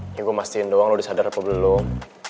ini gue mastiin doang lo udah sadar apa belum